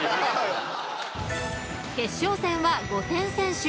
［決勝戦は５点先取］